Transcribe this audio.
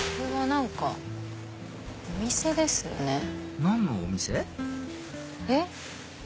何のお店？えっ？